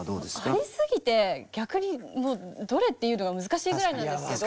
ありすぎて逆にどれっていうのが難しいぐらいなんですけど。